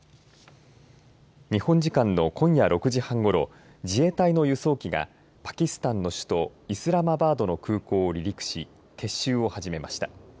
日本時間の今夜６時半ごろ自衛隊の輸送機がパキスタンの首都イスラマバードの空港を離陸し撤収を始めました。